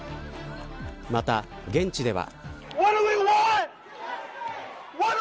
また、現地では。